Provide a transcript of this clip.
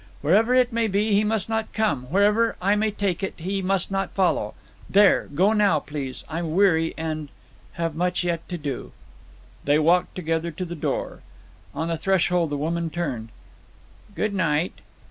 Wherever it may be, he must not come; wherever I may take it, he must not follow! There, go now, please I'm weary, and have much yet to do!" They walked together to the door. On the threshold the woman turned. "Good night."